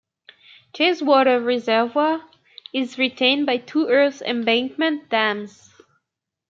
Chasewater reservoir is retained by two earth embankment dams.